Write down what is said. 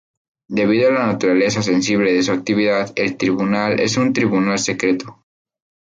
Debido a la naturaleza sensible de su actividad, el tribunal es un "tribunal secreto".